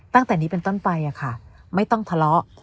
ตั้งแต่นี้เป็นต้นไปค่ะไม่ต้องทะเลาะ